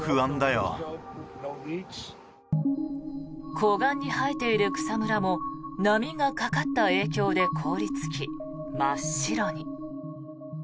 湖岸に生えている草むらも波がかかった影響で凍りつき真っ白に。